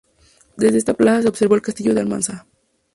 Desde esta plaza se observa el castillo de Almansa.